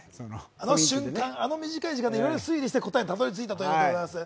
あの瞬間、あの短い時間でいろいろ推理して答えにたどりついたということです。